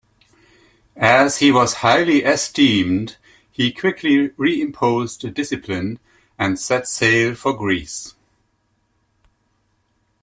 As he was highly esteemed, he quickly reimposed discipline and set sail for Greece.